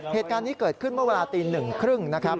เหตุการณ์นี้เกิดขึ้นเมื่อเวลาตี๑๓๐นะครับ